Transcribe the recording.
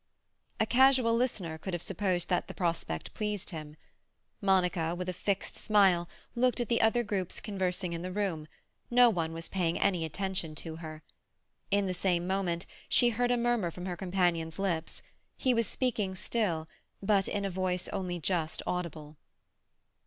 A casual listener could have supposed that the prospect pleased him. Monica, with a fixed smile, looked at the other groups conversing in the room; no one was paying any attention to her. In the same moment she heard a murmur from her companion's lips; he was speaking still, but in a voice only just audible.